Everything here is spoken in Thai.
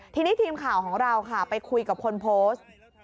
ทีนี้ทีมข่าวของเราค่ะไปคุยกับคนโพสต์